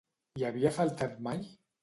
Hi havia faltat mai?